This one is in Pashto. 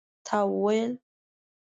تا وویل?